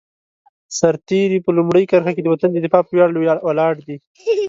سرتېری په لومړۍ کرښه کې د وطن د دفاع په ویاړ ولاړ دی.